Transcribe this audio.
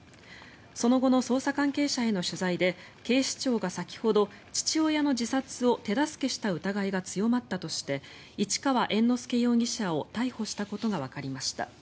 その後の捜査関係者への取材で警視庁が先ほど父親の自殺を手助けした疑いが強まったとして市川猿之助容疑者を逮捕したことがわかりました。